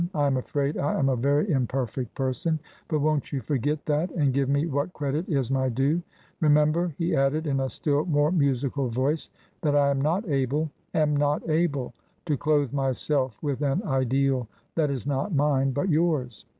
I am afraid I am a very imperfect person ; but won't you forget that and give me what credit is my due ? Remember," he added, in a still more musical voice, "that I am not able — am not able — to clothe myself with an ideal that is not mine, but yours.